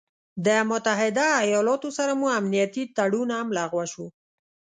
د متحده ايالاتو سره مو امنيتي تړون هم لغوه شو